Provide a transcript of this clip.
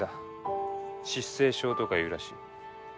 失声症とかいうらしい。